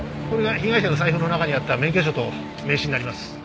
これが被害者の財布の中にあった免許証と名刺になります。